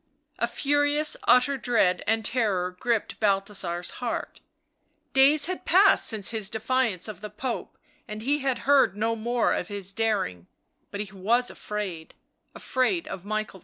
A furious, utter dread and terror gripped Bal thasar's heart; days had passed since his defiance of the Pope and he had heard no more of his daring, but he was afraid, afraid of Michael II.